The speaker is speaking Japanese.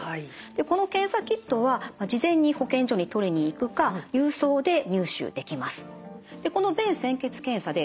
この検査キッドは事前に保健所に取りに行くか郵送で入手できます。